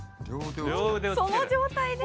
その状態で？